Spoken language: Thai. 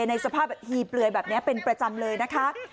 ในสภาพฮีเปลือยแบบนี้เป็นประจำเลยนะคะ